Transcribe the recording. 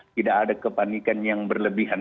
tidak ada kepanikan yang berlebihan